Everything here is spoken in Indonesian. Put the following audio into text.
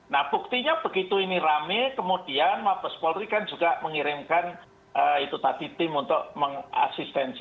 nah buktinya begitu ini rame kemudian mabes polri kan juga mengirimkan itu tadi tim untuk mengasistensi